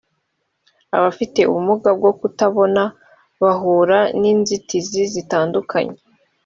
abafite ubumuga bwo kutabona bahura n ‘inzitizi zitandukanye